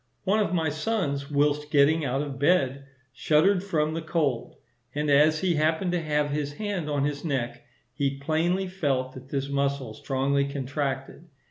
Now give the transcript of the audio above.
One of my sons, whilst getting out of bed, shuddered from the cold, and, as he happened to have his hand on his neck, he plainly felt that this muscle strongly contracted.